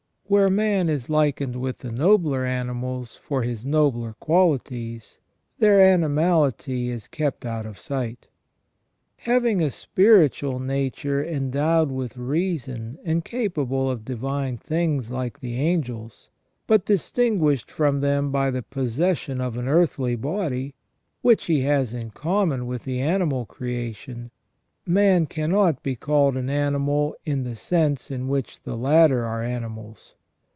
Where man is likened with the nobler animals for his nobler qualities, their animality is kept out of sight. Having a spiritual nature endowed with reason and capable of divine things like the angels, but distinguished from them by the possession of an earthly body, which he has in common with the animal creation, man cannot be called an animal in the sense in which the latter are animals.